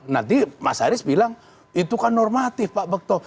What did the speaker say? nanti mas haris bilang itu kan normatif pak bekto